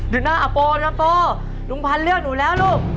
ดูหน้าอัปโปดูหน้าอัปโปลุงพันธุ์เลือกหนูแล้วลูก